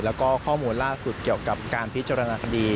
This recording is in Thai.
แล้วก็ข้อมูลล่าสุดเกี่ยวกับการพิจารณาคดี